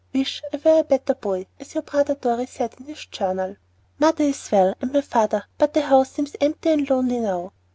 "Wish I were a better boy," as your brother Dorry said in his journal. Mother is well and my father, but the house seems empty and lonely now.